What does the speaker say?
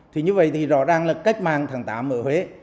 thì như vậy thì rõ ràng là cách mạng tháng tám ở huế